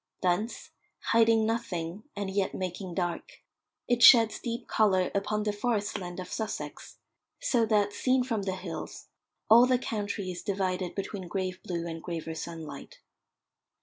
Thence, hiding nothing, and yet making dark, it sheds deep colour upon the forest land of Sussex, so that, seen from the hills, all the country is divided between grave blue and graver sunlight.